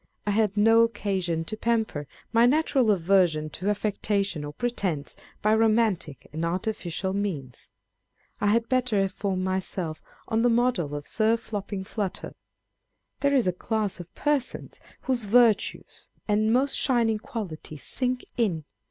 I had no occasion to pamper my natural aversion to affectation or pretence, by romantic and artificial means. I had better have formed myself on the model of Sir Fopling Flutter. There is a class of persons whose virtues and most shining qualities sink in, On Reading Old Books.